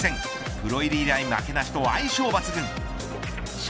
プロ入り以来負けなしの相性抜群。